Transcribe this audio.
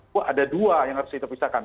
kok ada dua yang harus kita pisahkan